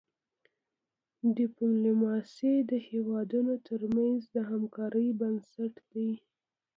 ډيپلوماسي د هیوادونو ترمنځ د همکاری بنسټ دی.